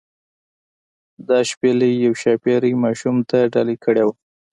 دا شپیلۍ یوې ښاپیرۍ ماشوم ته ډالۍ کړې وه.